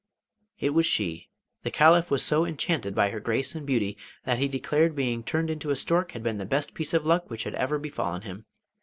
It was she! The Caliph was so enchanted by her grace and beauty, that he declared being turned into a stork had been the best piece of luck which had ever befallen him.